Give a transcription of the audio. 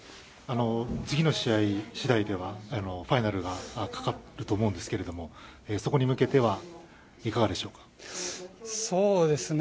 次の試合次第ではファイナルがかかると思うんですけどもそこに向けてはいかがでしょうか。